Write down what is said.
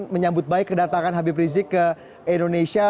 menyambut baik kedatangan habib rizik ke indonesia